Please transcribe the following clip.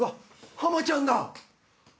浜ちゃん！